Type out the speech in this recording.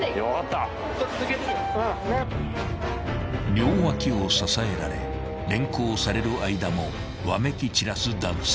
［両脇を支えられ連行される間もわめき散らす男性］